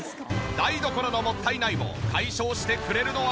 台所のもったいないを解消してくれるのは。